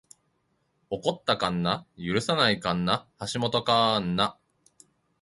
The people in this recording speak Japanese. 起こった神無許さない神無橋本神無